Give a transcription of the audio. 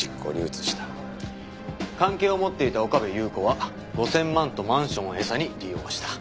関係を持っていた岡部祐子は５０００万とマンションを餌に利用した。